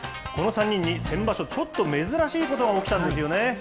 この３人に先場所、ちょっと珍しいことが起きたんですよね。